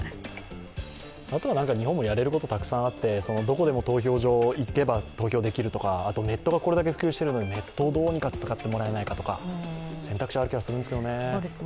あとは日本もやれることはたくさんあって、どこでも投票所へ行けば投票できるとかあとネットがこれだけ普及してるので、ネットをどうにか使ってもらえないかとか選択肢はある気がするんですけどね。